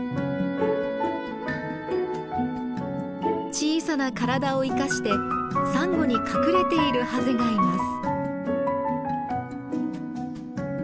小さな体を生かしてサンゴに隠れているハゼがいます。